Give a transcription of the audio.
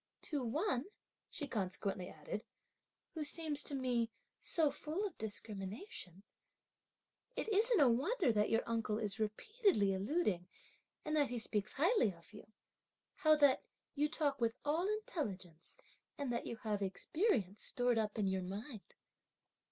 To one," she consequently added, "who seems to me so full of discrimination, it isn't a wonder that your uncle is repeatedly alluding, and that he speaks highly of you; how that you talk with all intelligence and that you have experience stored up in your mind."